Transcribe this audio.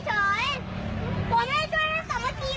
แต่ผมก็ช่วยเขาเฉย